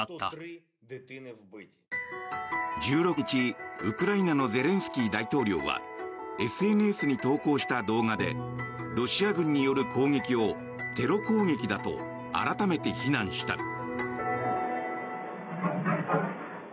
１６日、ウクライナのゼレンスキー大統領はＳＮＳに投稿した動画でロシア軍による攻撃をテロ攻撃だと改めて非難した。